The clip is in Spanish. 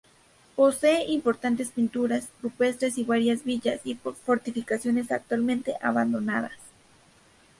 Posee importantes pinturas rupestres y varias villas y fortificaciones actualmente abandonadas.